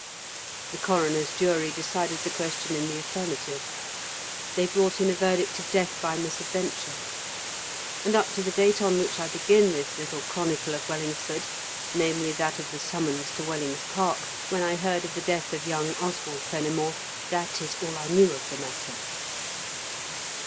The Coroner's Jury decided the question in the affirmative. They brought in a verdict of death by misadventure. And up to the date on which I begin this little Chronicle of Wellingsford, namely that of the summons to Wellings Park, when I heard of the death of young Oswald Fenimore, that is all I knew of the matter.